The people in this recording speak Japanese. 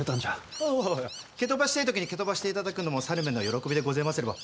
おお蹴飛ばしてぇ時に蹴飛ばしていただくのも猿めの喜びでごぜますれば。